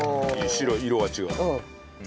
白色が違う。